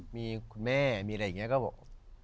มีคุณแม่มีอะไรอย่างนี้ก็บอก